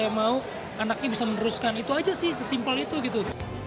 ya mau anaknya bisa meneruskan itu aja sih sesimpel itu gitu